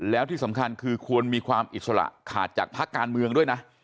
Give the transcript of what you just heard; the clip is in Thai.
แล้วที่สำคัญคือควรมีความอิสระขาดจากภาคการเมืองด้วยนะ